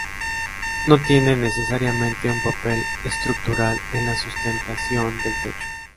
No tiene necesariamente un papel estructural en la sustentación del techo.